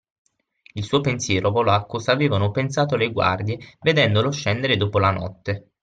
Il suo pensiero volò a cosa avevano pensato le guardie vedendolo scendere dopo la notte